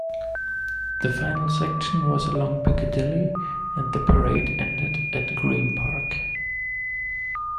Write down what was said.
The final section was along Piccadilly and the parade ended at Green Park.